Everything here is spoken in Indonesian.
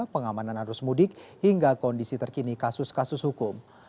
pengamanan arus mudik hingga kondisi terkini kasus kasus hukum